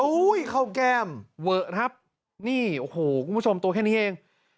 เข้าแก้มเวอะครับนี่โอ้โหคุณผู้ชมตัวแค่นี้เอง